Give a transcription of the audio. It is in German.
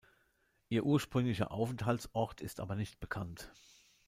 Ihr ursprünglicher Aufenthaltsort ist aber nicht bekannt.